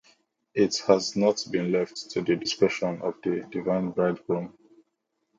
It has not been left to the discretion of the divine bridegroom.